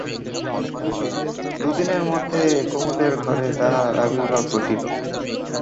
দুদিনের মধ্যে কুমুদের ঘরে তাহার আবির্ভাব ঘটিল।